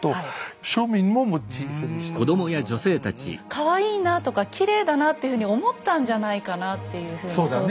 かわいいなとかきれいだなっていうふうに思ったんじゃないかなっていうふうに想像しますよね。